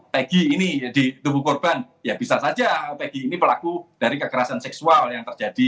tg ini di tubuh korban ya bisa saja tegi ini pelaku dari kekerasan seksual yang terjadi